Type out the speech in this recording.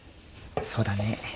そうだね。